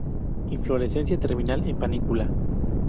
Inflorescencia terminal en panícula.